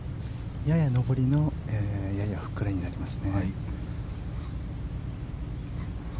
やや上りのややフックラインになります。